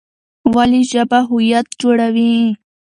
ولې ژبه هویت جوړوي؟